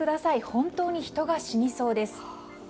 本当に人が死にそうです。